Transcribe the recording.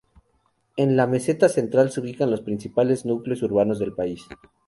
En la Meseta Central se ubican los principales núcleos urbanos del país.